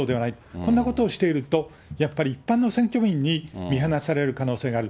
こんなことをしていると、やっぱり一般の選挙民に見放される可能性がある。